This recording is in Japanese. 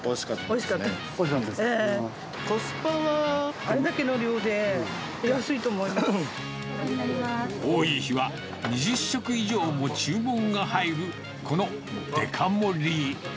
コスパはあれだけの量で、多い日は、２０食以上も注文が入る、このデカ盛り。